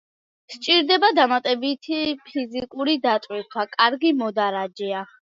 სჭირდება დამატებითი ფიზიკური დატვირთვა, კარგი მოდარაჯეა.